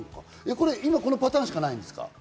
今、このパターンしかないんですか？